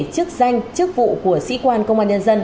chức danh chức vụ của sĩ quan công an nhân dân